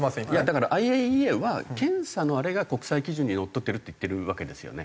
だからＩＡＥＡは検査のあれが国際基準にのっとってるって言ってるわけですよね。